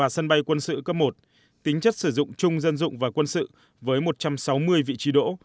sân bay quân sự cấp một tính chất sử dụng chung dân dụng và quân sự với một trăm sáu mươi vị trí đỗ